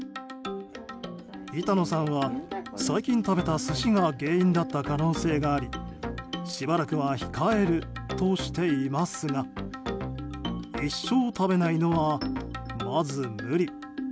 板野さんは最近食べた寿司が原因だった可能性がありしばらくは控えるとしていますが一生食べないのは、まず無理。